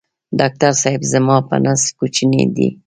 ډاکټر صېبې زما په نس کوچینی دی